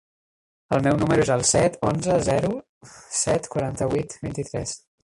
El meu número es el set, onze, zero, set, quaranta-vuit, vint-i-tres.